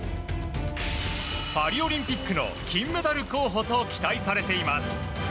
パリオリンピックの金メダル候補と期待されています。